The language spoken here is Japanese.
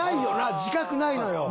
自覚ないのよ！